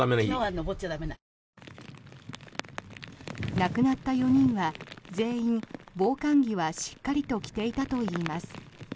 亡くなった４人は全員防寒着はしっかりと着ていたといいます。